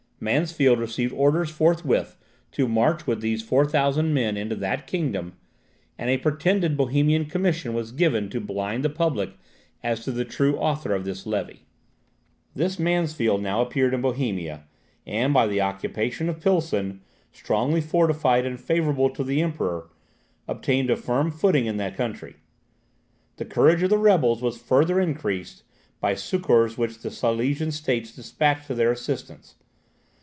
Mansfeld received orders forthwith to march with these 4000 men into that kingdom; and a pretended Bohemian commission was given to blind the public as to the true author of this levy. This Mansfeld now appeared in Bohemia, and, by the occupation of Pilsen, strongly fortified and favourable to the Emperor, obtained a firm footing in the country. The courage of the rebels was farther increased by succours which the Silesian States despatched to their assistance.